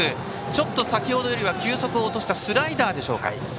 ちょっと先ほどよりは球速を落としたスライダーか。